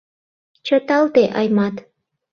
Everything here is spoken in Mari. — Чыталте, Аймат!